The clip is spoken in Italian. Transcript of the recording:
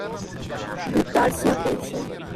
Buttarsi a pesce.